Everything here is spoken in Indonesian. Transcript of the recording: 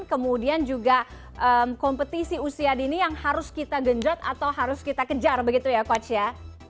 kemudian juga kompetisi usia dini yang harus kita genjot atau harus kita kejar begitu ya coach ya